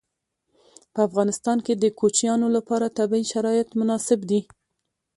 په افغانستان کې د کوچیانو لپاره طبیعي شرایط مناسب دي.